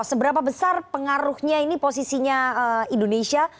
seberapa besar pengaruhnya ini posisinya indonesia